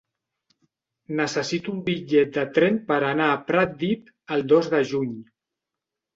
Necessito un bitllet de tren per anar a Pratdip el dos de juny.